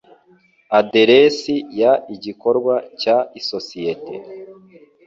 aderesi y igikorwa cy isosiyete